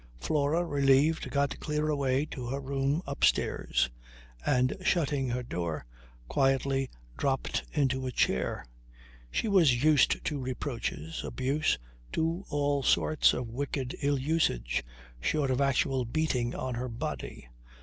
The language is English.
Flora, relieved, got clear away to her room upstairs, and shutting her door quietly, dropped into a chair. She was used to reproaches, abuse, to all sorts of wicked ill usage short of actual beating on her body.